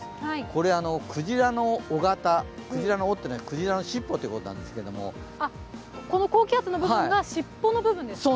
これ、クジラの尾型、クジラの尻尾ということなんですけれどもこの高気圧の部分が尻尾の部分ですか。